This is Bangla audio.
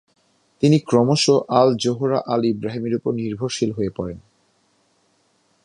তিনি ক্রমশ আল জোহরা আল ইব্রাহিমের ওপর নির্ভরশীল হয়ে পড়েন।